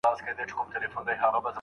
د مصيبتونو وروسته حتماً ستري برياوي سته.